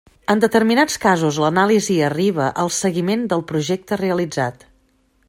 En determinats casos l'anàlisi arriba al seguiment del projecte realitzat.